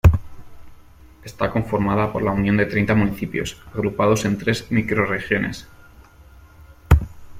Está conformada por la unión de treinta municipios agrupados en tres microrregiones.